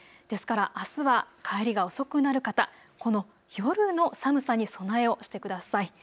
ですからあすは帰りが遅くなる方この夜の寒さに備えをしてください。